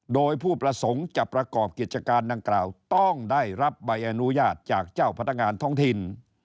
โดยผู้ประสงค์จะประกอบกิจการดังกล่าวต้องได้รับใบอนุญาตจากเจ้าพนักงานท้องถิ่น